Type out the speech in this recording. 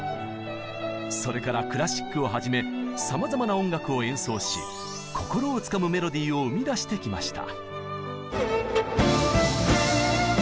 それからクラシックをはじめさまざまな音楽を演奏し心をつかむメロディーを生み出してきました。